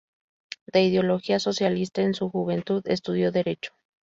De ideología socialista, en su juventud estudió derecho.